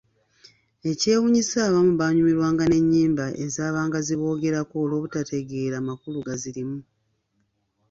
Ekyewuunyisa abamu baanyumirwanga n’ennyimba ezaabanga ziboogerako olwobutategeera makulu gazirimu.